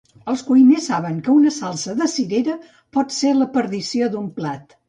Els cuiners saben que una salsa de cirera pot ser la perdició d'un plat.